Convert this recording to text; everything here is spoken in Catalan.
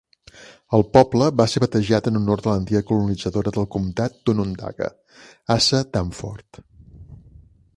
El poble va ser batejat en honor de l'antiga colonitzadora del comtat d'Onondaga, Asa Danforth.